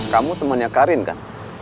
kamu temannya karin kan